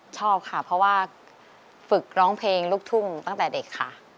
ชอบค่ะเพราะว่าฝึกร้องเพลงลูกทุ่งตั้งแต่เด็กค่ะ